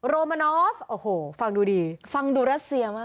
โรมานอฟโอ้โหฟังดูดีฟังดูรัสเซียมาก